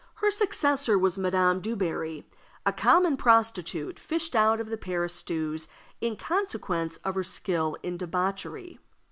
Her successor was Madame Dubarry, a common prostitute, fished out of the Paris stews in consequence of her skill in debauchery.